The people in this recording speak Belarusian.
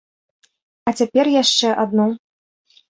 А цяпер яшчэ адну.